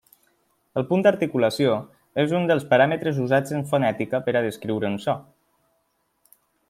El punt d'articulació és un dels paràmetres usats en fonètica per a descriure un so.